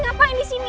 ngapain di sini